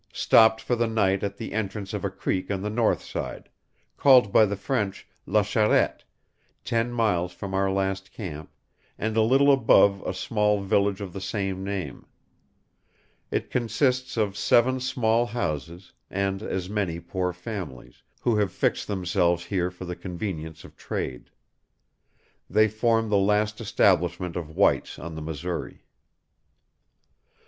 Stopped for the night at the entrance of a creek on the north side, called by the French La Charette, ten miles from our last camp, and a little above a small village of the same name. It consists of seven small houses, and as many poor families, who have fixed themselves here for the convenience of trade. They form the last establishment of whites on the Missouri."